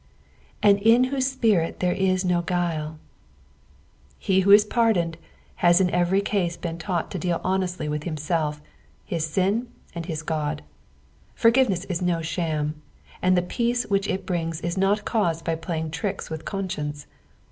"And in tchoie ipirit there U no guiU." He who is pardoned, has in every case been taught to deal honestly with himself, his sin, and his God. Forgiveness is no sham, and the Seace which it brings is not caused by playing tricks with conscience.